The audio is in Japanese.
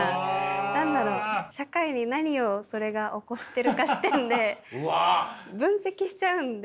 何だろう社会に何をそれが起こしてるか視点で分析しちゃうんで多分。